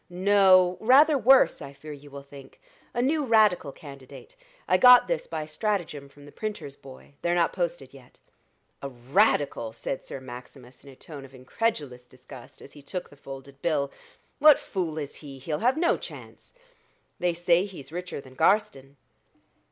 "No; rather worse, I fear you will think. A new Radical candidate. I got this by a stratagem from the printer's boy. They're not posted yet." "A Radical!" said Sir Maximus, in a tone of incredulous disgust, as he took the folded bill. "What fool is he? he'll have no chance." "They say he's richer than Garstin."